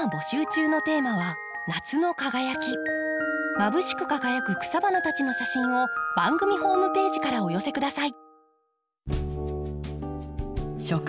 まぶしく輝く草花たちの写真を番組ホームページからお寄せ下さい。